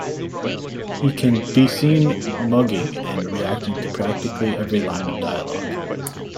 He can be seen mugging and reacting to practically every line of dialogue.